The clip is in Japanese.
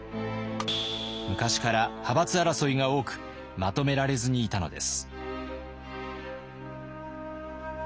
昔から派閥争いが多くまとめられずにいたのです。